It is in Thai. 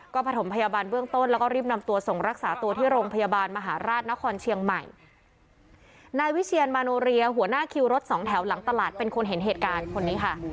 ก็ประถมพยาบาลเบื้องต้นแล้วก็รีบนำตัวส่งรักษาตัวที่โรงพยาบาลมหาราชนครเชียงใหม่นายวิเชียนมาโนเรียหัวหน้าคิวรถสองแถวหลังตลาดเป็นคนเห็นเหตุการณ์คนนี้ค่ะ